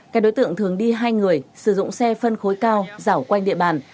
các đối tượng thường đi hai người sử dụng xe phân khối cao giảo quanh địa bàn